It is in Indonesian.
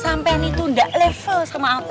sampean itu tidak level sama aku